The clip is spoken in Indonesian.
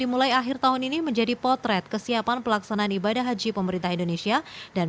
dimulai akhir tahun ini menjadi potret kesiapan pelaksanaan ibadah haji pemerintah indonesia dan